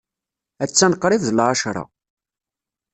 Attan qrib d lɛecṛa.